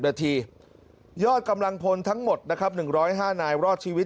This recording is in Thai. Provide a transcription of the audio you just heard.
นาทียอดกำลังพลทั้งหมดนะครับหนึ่งร้อยห้านายรอดชีวิต